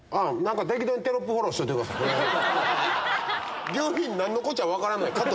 適当にテロップフォローしといてください。